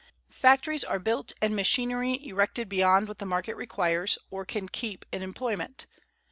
Factories are built and machinery erected beyond what the market requires, or can keep in employment.